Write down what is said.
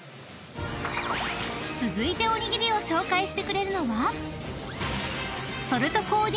［続いておにぎりを紹介してくれるのは］